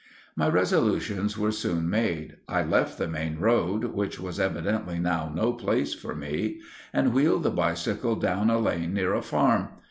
My resolutions were soon made. I left the main road, which was evidently now no place for me, and wheeled the bicycle down a lane near a farm.